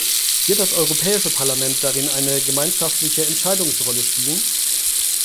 Wird das Europäische Parlament darin eine gemeinschaftliche Entscheidungsrolle spielen?